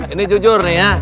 ini jujur nih ya